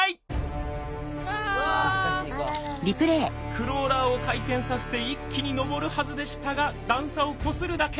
クローラーを回転させて一気に上るはずでしたが段差をこするだけ。